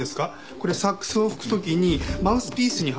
これサックスを吹く時にマウスピースにはめるリードです。